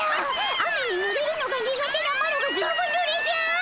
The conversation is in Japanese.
雨にぬれるのが苦手なマロがずぶぬれじゃ！